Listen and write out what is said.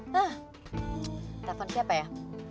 telepon siapa ya